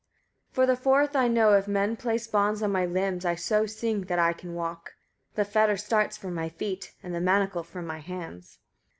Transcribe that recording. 151. For the fourth I know, if men place bonds on my limbs, I so sing that I can walk; the fetter starts from my feet, and the manacle from my hands.